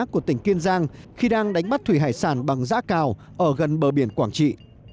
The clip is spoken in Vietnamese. của tỉnh kiên giang khi đang đánh bắt thủy hải sản bằng giã cào ở gần bờ biển quảng trị